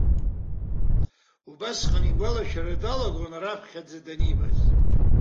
Убасҟан игәаларшәара далагон раԥхьаӡа данибаз.